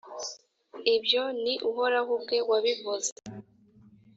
Ibyo ni Uhoraho ubwe wabivuze.